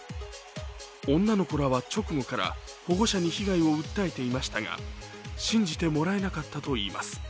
女の子らは直後から保護者に被害を訴えていましたが、信じてもらえなかったといいます。